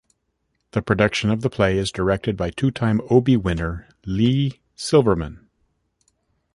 The production of the play is directed by two-time Obie winner Leigh Silverman.